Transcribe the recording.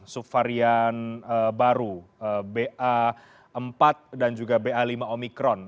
subvarian baru ba empat dan juga ba lima omikron